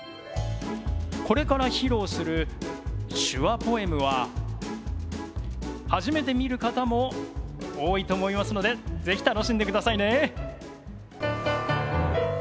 これから披露する手話ポエムは初めて見る方も多いと思いますので是非楽しんでくださいね。